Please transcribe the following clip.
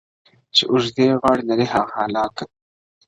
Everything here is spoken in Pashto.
چي اوږدې غاړي لري هغه حلال که-